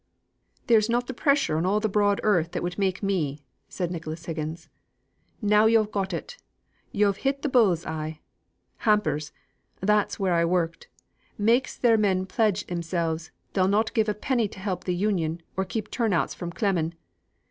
"There's not the pressure on all the broad earth that would make me," said Nicholas Higgins. "Now yo've got it. Yo've hit the bull's eye. Hampers that's where I worked makes their men pledge 'emselves they'll not give a penny to help th' Union or keep turn outs fro' clemming.